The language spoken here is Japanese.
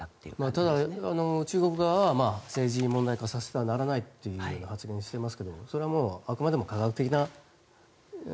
ただ、中国側は政治問題化させてはならないと発言をしていますがそれはあくまでも科学的にと。